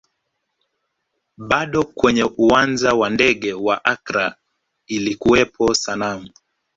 Bado kwenye uwanja wa ndege wa Accra ilikuwepo sanamu